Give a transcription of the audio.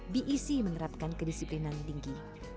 bec menerapkan kedisiplinan tinggi